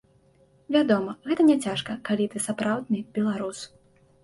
Вядома, гэта няцяжка, калі ты сапраўдны беларус.